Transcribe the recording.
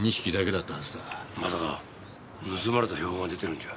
まさか盗まれた標本が出てるんじゃ。